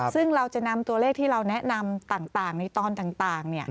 ซึ่งเราจะนำตัวเลขที่เราแนะนำต่างในตอนต่าง